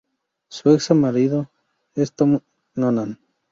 Su ex-marido es Tom Noonan.